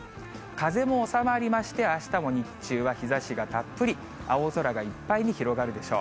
風も収まりまして、あしたも日中は日ざしがたっぷり、青空がいっぱいに広がるでしょう。